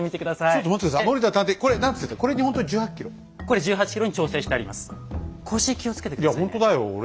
いやほんとだよ俺。